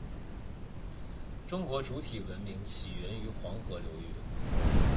中国主体文明起源于黄河流域。